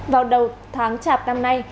vào đầu tháng chạp năm nay